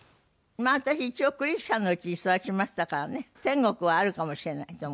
私一応クリスチャンのうちに育ちましたからね天国はあるかもしれないと。